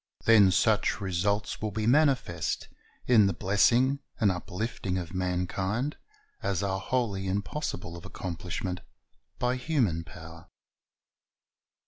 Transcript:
Then such results will be manifest, in the blessing and uplifting of mankind, as are wholly impossible of accomplishment by human power.